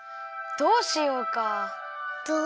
どうしよう？